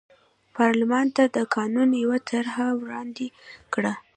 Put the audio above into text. پارلمان ته د قانون یوه طرحه وړاندې کړه.